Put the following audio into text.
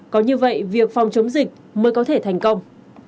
có như vậy việc phòng chống dịch mới có thể thành công